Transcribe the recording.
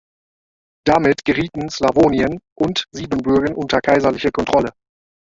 Damit gerieten Slawonien und Siebenbürgen unter kaiserliche Kontrolle.